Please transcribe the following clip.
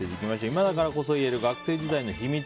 今だからこそ言える学生時代の秘密！